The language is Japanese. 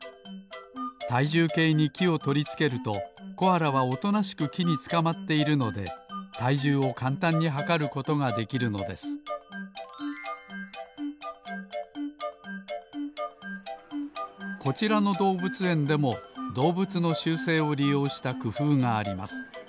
たいじゅうけいにきをとりつけるとコアラはおとなしくきにつかまっているのでたいじゅうをかんたんにはかることができるのですこちらのどうぶつえんでもどうぶつの習性をりようしたくふうがあります。